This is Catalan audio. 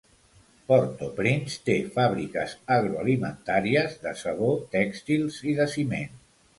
Port-au-Prince té fàbriques agroalimentàries, de sabó, tèxtils i de ciment.